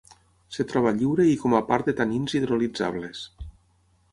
Es troba lliure i com a part de tanins hidrolitzables.